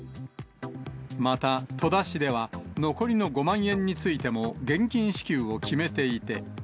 また、戸田市では残りの５万円についても現金支給を決めていて。